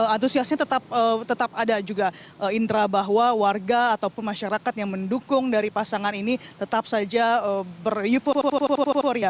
antusiasnya tetap ada juga indra bahwa warga ataupun masyarakat yang mendukung dari pasangan ini tetap saja beruforia